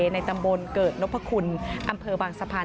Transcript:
ในตำบลเกิดนพคุณอำเภอบางสะพาน